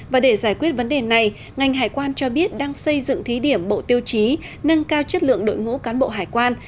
và để giải quyết vấn đề này ngành hải quan cho biết đang xây dựng thí điểm bộ tiêu chí nâng cao chất lượng đội ngũ cán bộ hải quan